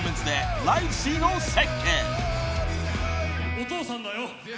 お父さんだよ。